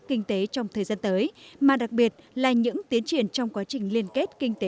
kinh tế trong thời gian tới mà đặc biệt là những tiến triển trong quá trình liên kết